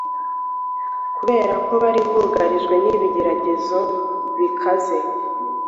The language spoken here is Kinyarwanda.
kubera ko bari bugarijwe n’ibigeragezo bikaze,